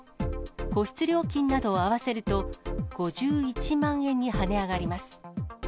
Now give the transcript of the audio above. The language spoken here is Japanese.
個室料金などを合わせると、５１万円に跳ね上がります。